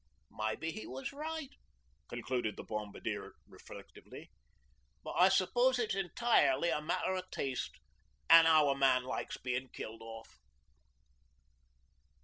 'Mebbe he was right,' concluded the Bombardier reflectively. 'But I s'pose it's entirely a matter o' taste, an' how a man likes bein' killed off.'